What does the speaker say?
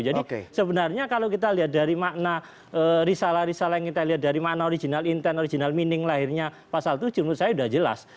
jadi sebenarnya kalau kita lihat dari makna risalah risalah yang kita lihat dari makna original intent original meaning lahirnya pasal tujuh menurut saya sudah jelas